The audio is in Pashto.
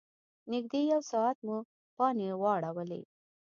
نږدې یو ساعت مو پانې واړولې.